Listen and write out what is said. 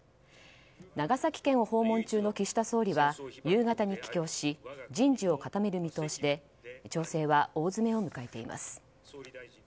長崎県を訪問中の岸田総理は夕方に帰京し人事を固める見通しで調整は大詰めを迎えています。